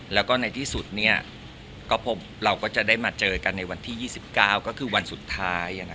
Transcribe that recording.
แล้วก็ในที่สุดเราก็จะได้มาเจอกันในวันที่๒๙ก็คือวันสุดท้าย